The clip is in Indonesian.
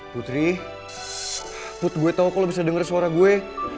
putri gue tau kalau lo bisa denger suara gue